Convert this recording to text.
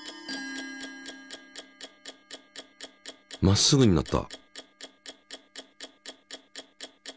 まっすぐになった。